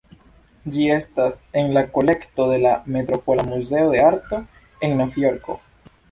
Ĝi estas en la kolekto de la Metropola Muzeo de Arto en Novjorko.